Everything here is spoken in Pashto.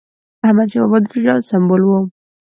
احمدشاه بابا د شجاعت سمبول و.